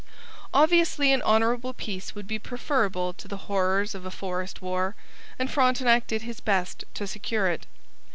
Obviously an honourable peace would be preferable to the horrors of a forest war, and Frontenac did his best to secure it.